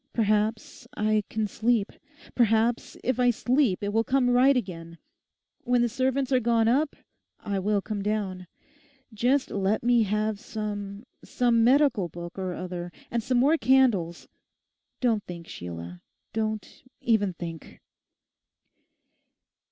Perhaps I can sleep: perhaps if I sleep it will come right again. When the servants are gone up, I will come down. Just let me have some—some medical book, or other; and some more candles. Don't think, Sheila; don't even think!